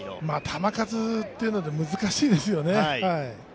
球数というので、難しいですよね。